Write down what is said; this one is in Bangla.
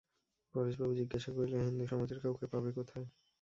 পরেশবাবু জিজ্ঞাসা করিলেন, হিন্দুসমাজের কাউকে পাবে কোথায়?